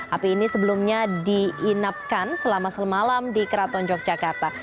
api ini sebelumnya diinapkan selama semalam di keraton yogyakarta